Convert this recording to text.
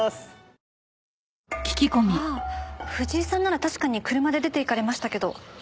藤井さんなら確かに車で出て行かれましたけど。